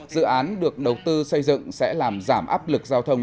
dự án được đầu tư xây dựng sẽ làm giảm áp lực giao thông